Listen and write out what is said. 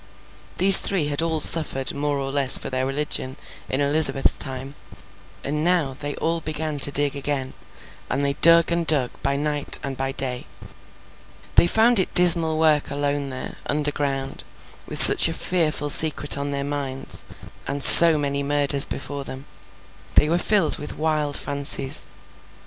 These three had all suffered more or less for their religion in Elizabeth's time. And now, they all began to dig again, and they dug and dug by night and by day. They found it dismal work alone there, underground, with such a fearful secret on their minds, and so many murders before them. They were filled with wild fancies.